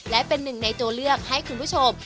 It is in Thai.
และเป็นหนึ่งในตัวเลือกให้คุณผู้ชม